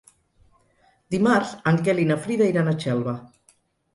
Dimarts en Quel i na Frida iran a Xelva.